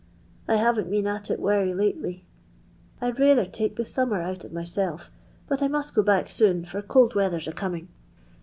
I baven*t been at it werry lately. I 've rayther taken the summer out of myself, but I must go back soon, for cold weather 's a coming.